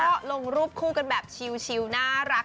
ก็ลงรูปคู่กันแบบชิลน่ารัก